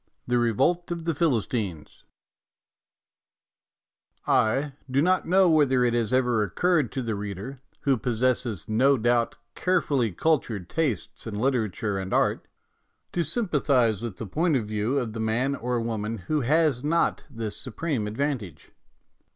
XIX THE REVOLT OF THE PHILISTINES I DO not know whether it has ever occurred to the reader, who possesses, no doubt, care fully cultured tastes in literature and art, to sympathize with the point of view of the man or woman who has not this supreme advantage.